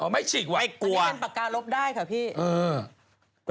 ไม่ฉีกไม่กลัว